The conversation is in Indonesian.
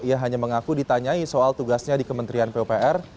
ia hanya mengaku ditanyai soal tugasnya di kementerian pupr